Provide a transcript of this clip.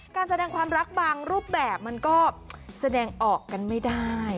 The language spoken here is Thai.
การแสดงความรักบางรูปแบบมันก็แสดงออกกันไม่ได้